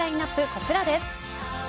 こちらです。